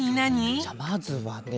じゃあまずはね